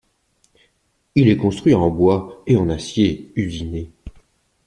Il est construit en bois et en acier usiné.